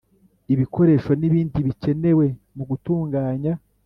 Ibikoresho n ibindi bikenewe mu gutunganya